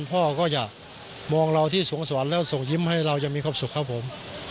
พ่อก็อยากมองเราที่สวงสวรรค์แล้วส่งยิ้มให้เรายังมีความสุขครับผม